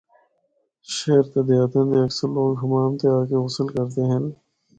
شہر تے دیہاتاں دے اکثر لوگ حمام تے آ کے غسل کردے ہن۔